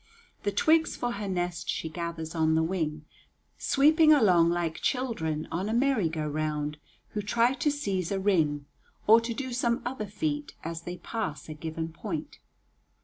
The twigs for her nest she gathers on the wing, sweeping along like children on a "merry go round" who try to seize a ring, or to do some other feat, as they pass a given point.